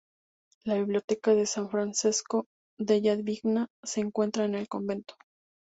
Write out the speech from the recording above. La biblioteca de San Francesco della Vigna se encuentra en el convento.